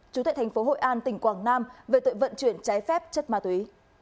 chủ tịch tp hội an tỉnh quảng nam về tội vận chuyển trái phép chất ma túy